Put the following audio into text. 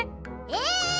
え